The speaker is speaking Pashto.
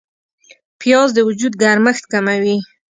پیاز د وجود ګرمښت کموي